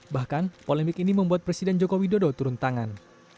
bahkan polemik ini membuat presiden joko widodo turun tangan